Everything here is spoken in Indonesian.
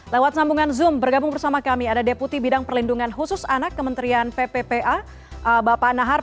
lewat sambungan zoom bergabung bersama kami ada deputi bidang perlindungan khusus anak kementerian pppa bapak nahar